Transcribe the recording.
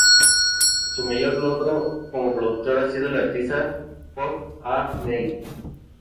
Su mayor logro como productor ha sido el artista pop de A-mei.